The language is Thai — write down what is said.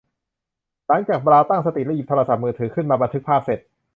หลังจากบราวน์ตั้งสติและหยิบโทรศัพท์มือถือขึ้นมาบันทึกภาพเสร็จ